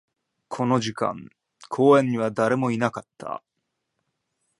この時間、公園には誰もいなかった